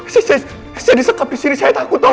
saya disekap disini saya takut tolong